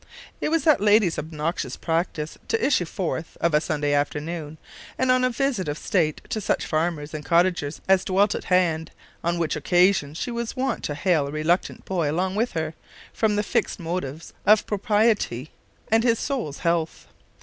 It was that lady's obnoxious practice to issue forth, of a Sunday afternoon, on a visit of state to such farmers and cottagers as dwelt at hand; on which occasion she was wont to hale a reluctant boy along with her, from the mixed motives of propriety and his soul's health.